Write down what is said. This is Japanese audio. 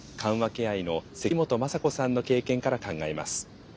ケア医の関本雅子さんの経験から考えます。